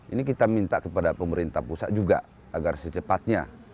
ini kita minta kepada pemerintah pusat juga agar secepatnya